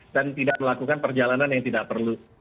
dan tidak melakukan perjalanan yang tidak perlu